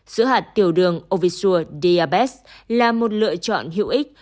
sữa hạt tiểu đường ovisur diabetes là một lựa chọn hữu ích